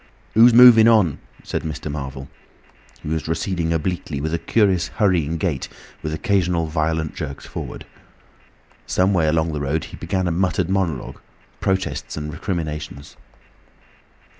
"Who's moving on?" said Mr. Marvel. He was receding obliquely with a curious hurrying gait, with occasional violent jerks forward. Some way along the road he began a muttered monologue, protests and recriminations.